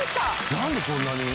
なんでこんなに？